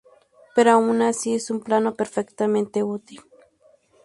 Pero aun así es un plano perfectamente útil.